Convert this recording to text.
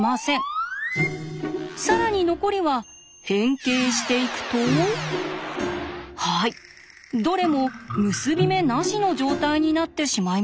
更に残りは変形していくとはいどれも結び目なしの状態になってしまいました。